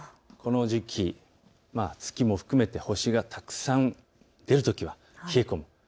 この時期、月も含めて星がたくさん出るときは冷え込む。